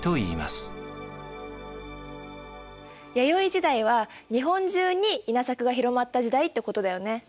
弥生時代は日本中に稲作が広まった時代ってことだよね。